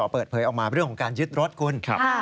เปิดเผยออกมาเรื่องของการยึดรถคุณ